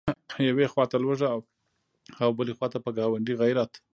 یوې خواته لوږه او بلې خواته په ګاونډي غیرت.